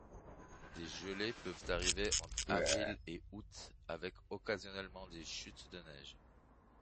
Des gelées peuvent arriver entre avril et août, avec occasionnellement des chutes de neige.